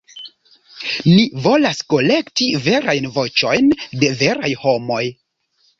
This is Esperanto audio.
Ni volas kolekti verajn voĉojn de veraj homoj.